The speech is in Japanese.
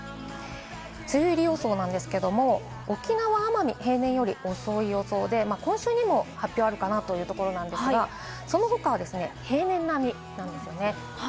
梅雨入り予想ですが、沖縄、奄美は平年より遅い予想で、今週にも発表あるかなというところなんですが、その他は平年並みなんですよね。